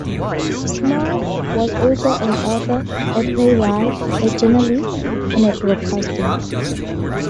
Smyth was also an author, a playwright, a journalist and a broadcaster.